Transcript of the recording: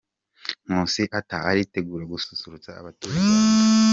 Nkusi Arthur aritegura gususurutsa abatuye Uganda.